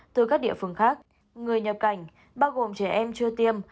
từ các địa phương khác người nhập cảnh bao gồm trẻ em chưa tiêm